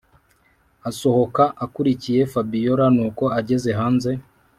asohoka akurikiye fabiora nuko ageze haze